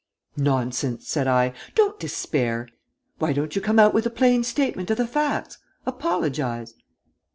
"Nonsense," said I. "Don't despair. Why don't you come out with a plain statement of the facts? Apologize."